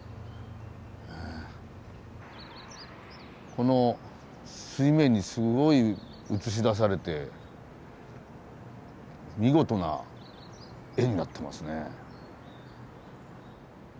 この水面にすごい映し出されて見事な絵になってますね。